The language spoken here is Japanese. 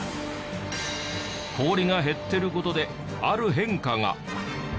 氷が減ってる事である変化が。